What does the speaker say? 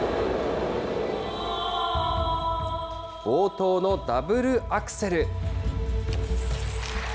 冒頭のダブルアクセル。